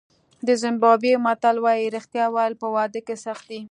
د زیمبابوې متل وایي رښتیا ویل په واده کې سخت دي.